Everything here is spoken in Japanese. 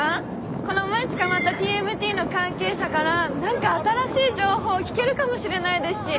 この前捕まった「ＴＭＴ」の関係者から何か新しい情報聞けるかもしれないですし。